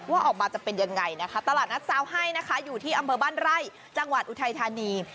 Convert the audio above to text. ว่าออกมาจะเป็นยังไงนะคะตลาดนัดซาวให้นะคะอยู่ที่อำเภอบ้านไร่จังหวัดอุทัยธานี